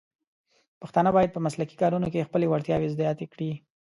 پښتانه بايد په مسلکي کارونو کې خپلې وړتیاوې زیاتې کړي.